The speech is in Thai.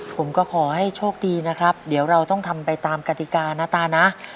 ผมก็ขอให้โชคดีนะครับเดี๋ยวเราต้องทำไปตามกติกานะตานะ